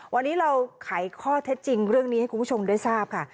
วันนี้เราไขข้อเท็จจริงเรื่องนี้ให้คุณผู้ชมได้ทราบค่ะ